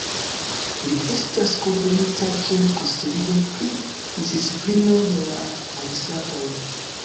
Ĝi estas konfirmita kiel konsilio pri disciplino de la magistratoj.